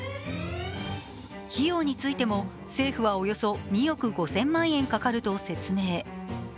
費用についても政府はおよそ２億５０００万円かかると説明。